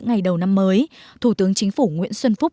ngày đầu năm mới thủ tướng chính phủ nguyễn xuân phúc